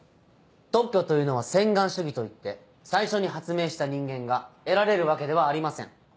特許というのは先願主義といって最初に発明した人間が得られるわけではありません。